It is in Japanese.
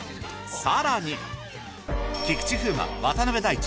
さらに菊池風磨渡辺大知